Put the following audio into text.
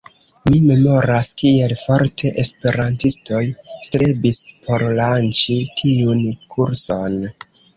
Mi memoras, kiel forte esperantistoj strebis por lanĉi tiun kurson.